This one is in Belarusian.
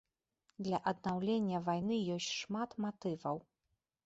Для аднаўлення вайны ёсць шмат матываў.